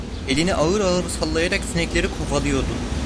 Elini ağır ağır sallayarak sinekleri kovalıyordu.